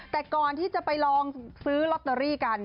แต่ก่อนที่จะไปลองซื้อลอตเตอรี่กัน